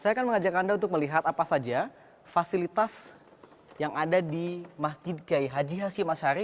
saya akan mengajak anda untuk melihat apa saja fasilitas yang ada di masjid raya k i haji hasim asyari